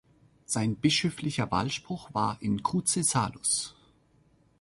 Sein bischöflicher Wahlspruch war "In cruce salus".